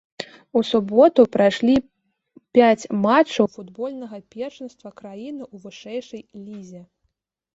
У суботу прайшлі пяць матчаў футбольнага першынства краіны ў вышэйшай лізе.